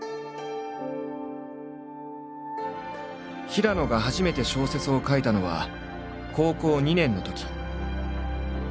平野が初めて小説を書いたのは高校２年のとき。